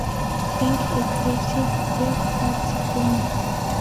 King, y "Crazy" de Patsy Cline.